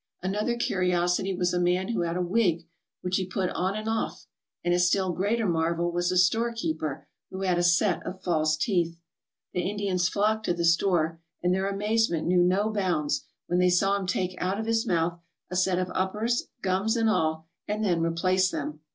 Another curiosity was a man who had a wig, which he put on and off, and a still greater marvel was a store keeper who had a set of false teeth. The Indians flocked to the store, and their amazement knew 58 TOTEM INDIANS AND THEIR CUSTOMS no bounds when they saw him take out of his mouth a set of uppers, gums and all, and then replace them.